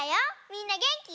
みんなげんき？